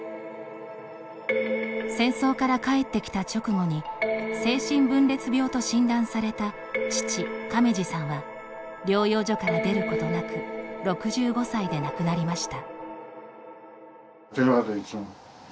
戦争から帰ってきた直後に精神分裂病と診断された父・亀二さんは療養所から出ることなく６５歳で亡くなりました。